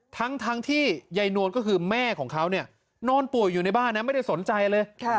ทั้งที่ใยนวลก็คือแม่ของเขาเนี่ยนอนป่วยอยู่ในบ้านนะไม่ได้สนใจเลย